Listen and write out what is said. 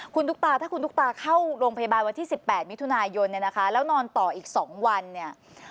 คุณตุ๊กตาถ้าคุณตุ๊กตาเข้าโรงพยาบาลวันที่๑๘มิถุนายนเนี่ยนะคะแล้วนอนต่ออีก๒วันเนี่ย